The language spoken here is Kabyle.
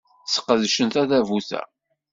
Sqedcen tadabut-a.